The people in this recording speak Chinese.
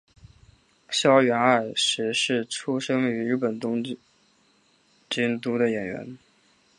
筱原爱实是出身于日本东京都的演员。